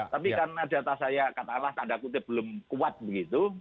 tapi karena data saya katakanlah tanda kutip belum kuat begitu